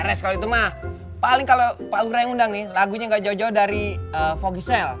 res kalau itu mah paling kalau pak lurah yang undang nih lagunya gak jauh jauh dari fogi sale